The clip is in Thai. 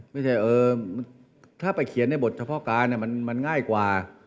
ไม่ใช่ถ้าไปเขียนในบทเฉพาะการมันง่ายกว่า